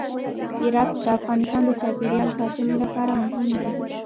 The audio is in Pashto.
هرات د افغانستان د چاپیریال ساتنې لپاره مهم دی.